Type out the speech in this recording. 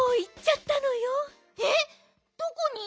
えっどこに！？